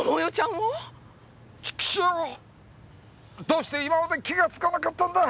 どうして今まで気がつかなかったんだ！